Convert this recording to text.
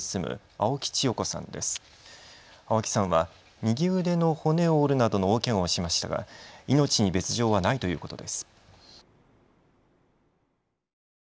青木さんは右腕の骨を折るなどの大けがをしましたが命に別状はないということです。